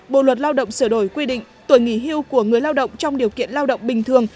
bộ luật lao động sửa đổi quy định tuổi nghỉ hưu của người lao động trong điều kiện lao động bình thường